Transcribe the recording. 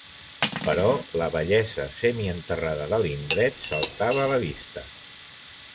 Però la bellesa semienterrada de l'indret saltava a la vista.